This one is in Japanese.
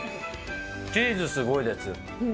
チーズすごいです。